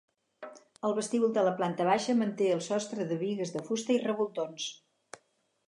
El vestíbul de la planta baixa manté el sostre de bigues de fusta i revoltons.